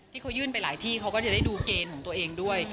ที่เขายื่นไปหลายที่เขาก็จะได้ดูเกณฑ์ของตัวเองด้วย